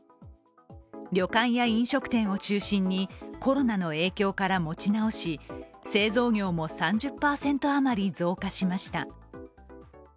旅館や飲食店を中心にコロナの影響から持ち直し製造業も３０％余り増加しました。